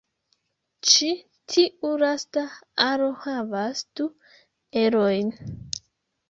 Ĉi tiu lasta aro havas du erojn.